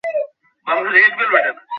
এইটা মাথায় পড়লে তো ভর্তা হয়ে যেতাম।